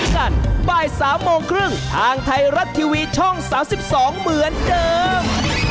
กันบ่าย๓โมงครึ่งทางไทยรัฐทีวีช่อง๓๒เหมือนเดิม